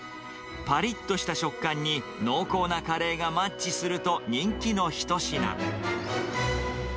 ぱりっとした食感に濃厚なカレーがマッチすると人気の一品。